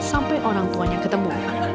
sampai orang tuanya ketemu